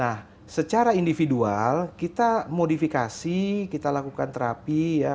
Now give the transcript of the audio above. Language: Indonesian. nah secara individual kita modifikasi kita lakukan terapi ya